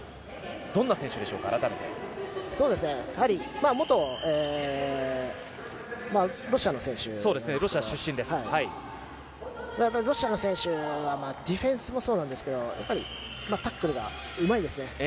そうですね元ロシアの選手でしてロシアの選手はディフェンスもそうですけどタックルがうまいですね。